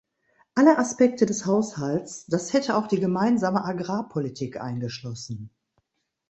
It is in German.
Alle Aspekte des Haushalts – das hätte auch die Gemeinsame Agrarpolitik eingeschlossen.